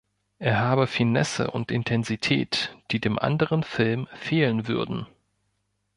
Er habe „"Finesse"“ und „"Intensität"“, die dem anderen Film fehlen würden.